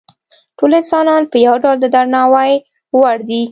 ټول انسانان په یو ډول د درناوي وړ دي.